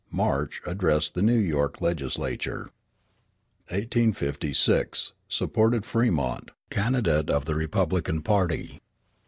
March. Addressed the New York legislature. 1856 Supported Fremont, candidate of the Republican party.